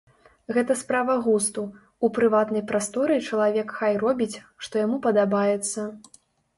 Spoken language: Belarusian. Гэта справа густу, у прыватнай прасторы чалавек хай робіць, што яму падабаецца.